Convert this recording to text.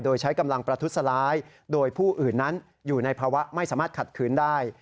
โดยใช้กำลังประทุษร้ายโดยผู้อื่นนั้นอยู่ในภาวะไม่สามารถขัดขืนได้